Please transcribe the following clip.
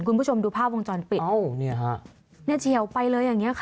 คุณผู้ชมดูภาพวงจรปิด